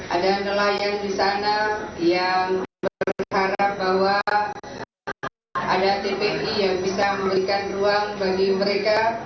ada nelayan di sana yang berharap bahwa ada tpi yang bisa memberikan ruang bagi mereka